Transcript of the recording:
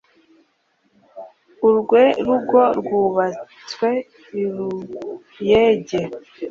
urwe rugo rwubatswe i ruyege!